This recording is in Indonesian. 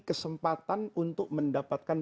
kesempatan untuk mendapatkan